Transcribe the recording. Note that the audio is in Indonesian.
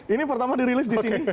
ini pertama dirilis di sini